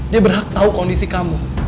dia berhak tahu kondisi kamu